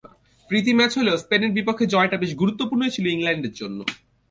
প্রীতি match হলেও স্পেনের বিপক্ষে জয়টা বেশ গুরুত্বপূর্ণই ছিল ইংল্যান্ডের জন্য।